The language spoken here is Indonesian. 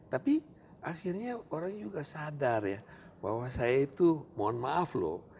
tapi akhirnya orang juga sadar ya bahwa saya itu mohon maaf loh